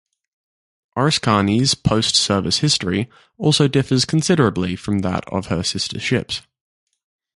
"Oriskany"s post-service history also differs considerably from that of her sister ships.